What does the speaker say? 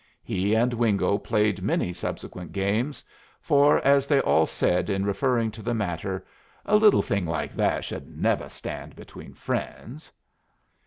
He and Wingo played many subsequent games; for, as they all said in referring to the matter, "A little thing like that should nevuh stand between friends."